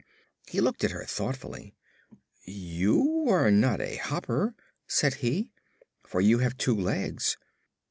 He looked at her thoughtfully. "You are not a Hopper," said he, "for you have two legs.